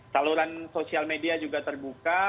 saluran sosial media juga terbuka